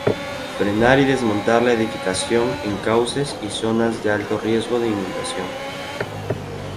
frenar y desmontar la edificación en cauces y zonas de alto riesgo de inundación